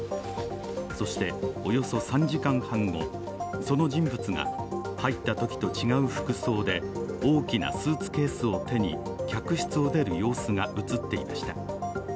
そしておよそ３時間半後、その人物が入ったときとは違う服装で大きなスーツケースを手に客室を出る様子が映っていました。